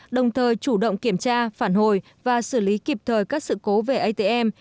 đồng thời chủ động kiểm tra phản hồi và xử lý kịp thời các sự cố về atm